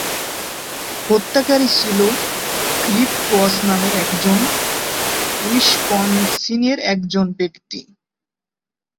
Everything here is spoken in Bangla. হত্যাকারী ছিল ফিলিপ ক্রস নামে একজন উইসকনসিনের একজন ব্যক্তি।